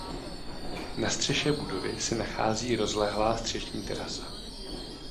Na střeše budovy se nachází rozlehlá střešní terasa.